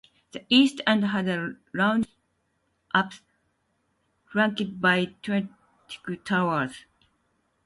The east end has a round apse flanked by twin square towers.